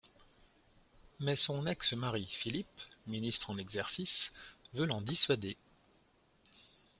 Mais son ex-mari Philippe, ministre en exercice, veut l'en dissuader...